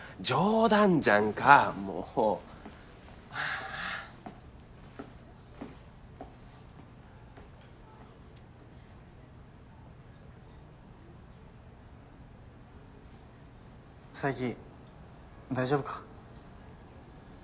冗談じゃんかもう佐伯大丈夫か？